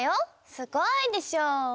すごいでしょ。